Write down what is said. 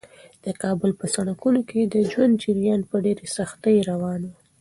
د کابل په سړکونو کې د ژوند جریان په ډېرې سختۍ روان و.